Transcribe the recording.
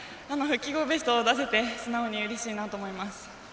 復帰後、ベストを出せて素直にうれしいなと思います。